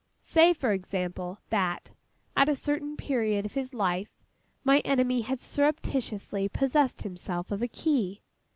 Say, for example, that, at a certain period of his life, my enemy had surreptitiously possessed himself of a key.